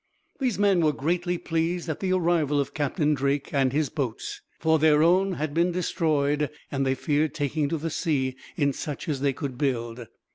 These men were greatly pleased at the arrival of Captain Drake and his boats, for their own had been destroyed, and they feared taking to the sea in such as they could build.